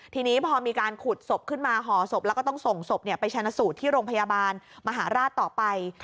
ทีนี้พอมีการขุดศพขึ้นมาห่อศพแล้วก็ต้องส่งศพไปชนะสูตรที่โรงพยาบาลมหาราชต่อไป